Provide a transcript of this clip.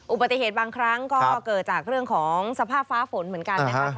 อุบัติเหตุบางครั้งก็เกิดจากเรื่องของสภาพฟ้าฝนเหมือนกันนะครับ